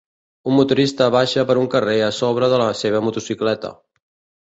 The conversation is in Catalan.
Un motorista baixa per un carrer a sobre de la seva motocicleta.